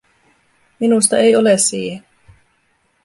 Minusta ei ole siihen.